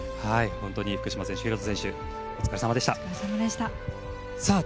福島選手、廣田選手お疲れさまでした。